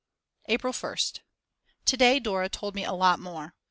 April 1st. To day Dora told me a lot more.